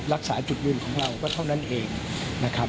จุดยืนของเราก็เท่านั้นเองนะครับ